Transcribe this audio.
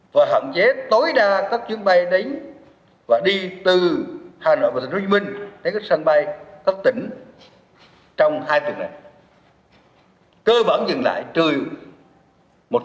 và hạn chế tối đa các chuyến bay đến và đi từ hà nội và tp hcm